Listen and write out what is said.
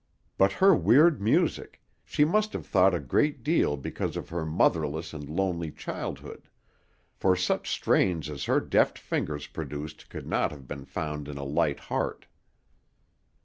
But her weird music; she must have thought a great deal because of her motherless and lonely childhood, for such strains as her deft fingers produced could not have been found in a light heart.